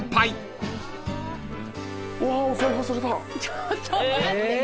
ちょっと待って。